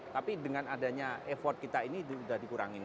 tapi dengan adanya effort kita ini sudah dikurangin